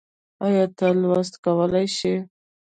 ايا ته لوستل کولی شې؟